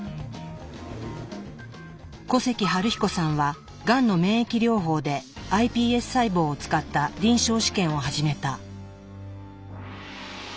古関明彦さんは「がんの免疫療法」でｉＰＳ細胞を使った臨床試験を始めた。